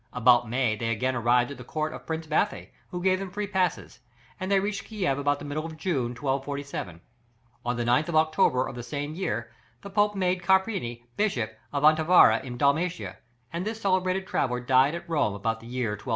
About May they again arrived at the court of Prince Bathy, who gave them free passes, and they reached Kiev about the middle of June, 1247. On the 9th of October of the same year the Pope made Carpini Bishop of Antivari in Dalmatia, and this celebrated traveller died at Rome about the year 1251.